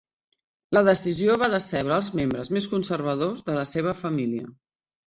La decisió va decebre els membres més conservadors de la seva família.